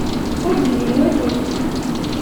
Ur d-nnin walu.